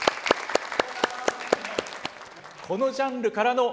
このジャンルからの問題です。